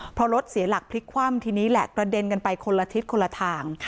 เพราะรถเสียหลักพลิกคว่ำทีนี้แหละกระเด็นกันไปคนละทิศคนละทาง